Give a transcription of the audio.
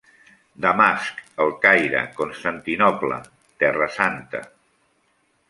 Damasc, El Caire, Constantinoble, Terra Santa.